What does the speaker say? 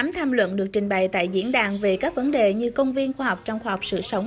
tám tham luận được trình bày tại diễn đàn về các vấn đề như công viên khoa học trong khoa học sự sống